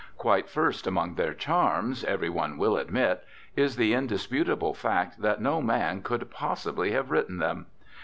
Quite first among their charms, every one will admit, is the indisputable fact that no man could possibly have written them.